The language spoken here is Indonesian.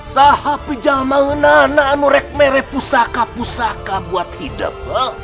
sahabijalma enana anurek mere pusaka pusaka buat hidup